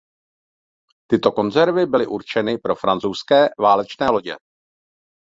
Tyto konzervy byly určeny pro francouzské válečné lodě.